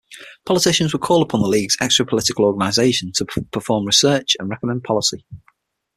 Politicians would call upon the League's extra-political organization to perform research, and recommend policy.